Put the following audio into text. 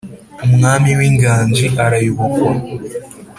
umwami w’inganji arayobokwa.